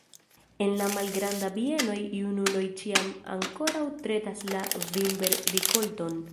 En la malgrandaj bienoj junuloj ĉiam ankoraŭ tretas la vinber-rikolton.